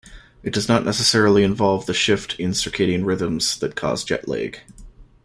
It does not necessarily involve the shift in circadian rhythms that cause jet lag.